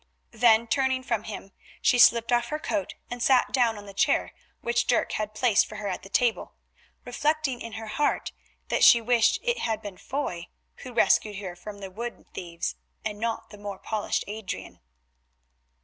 Then turning from him she slipped off her cloak and sat down on the chair which Dirk had placed for her at the table, reflecting in her heart that she wished it had been Foy who rescued her from the wood thieves, and not the more polished Adrian.